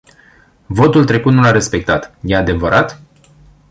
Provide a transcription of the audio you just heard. Votul trecut nu l-ați respectat, e adevărat?